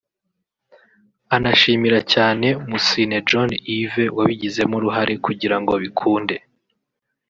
anashimira cyane Mussine John Yves wabigizemo uruhare kugira ngo bikunde